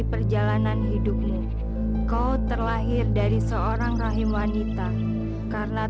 sepaling paling luar sawah